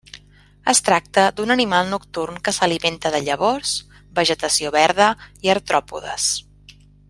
Es tracta d'un animal nocturn que s'alimenta de llavors, vegetació verda i artròpodes.